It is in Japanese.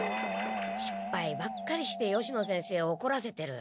しっぱいばっかりして吉野先生をおこらせてる。